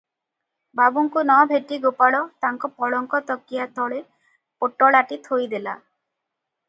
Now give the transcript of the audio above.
ବାବୁଙ୍କୁ ନ ଭେଟି ଗୋପାଳ ତାଙ୍କ ପଲଙ୍କ ତକିଆ ତଳେ ପୋଟଳାଟି ଥୋଇ ଦେଲା ।